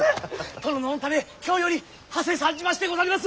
殿の御為京よりはせ参じましてござります！